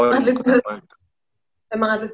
emang atlet beneran cuman gak ikut pol